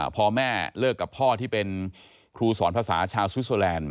พอแม่เลิกกับพ่อที่เป็นครูสอนภาษาชาวสวิสเตอร์แลนด์